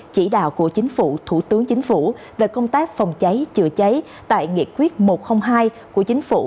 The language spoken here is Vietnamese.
chỉ đạo của chính phủ thủ tướng chính phủ về công tác phòng cháy chữa cháy tại nghị quyết một trăm linh hai của chính phủ